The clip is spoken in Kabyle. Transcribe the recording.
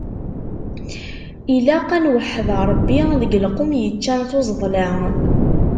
Ilaq ad nweḥḥed Ṛebbi, deg lqum yeččan tuẓeḍla.